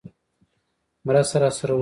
مرسته راسره وکړي.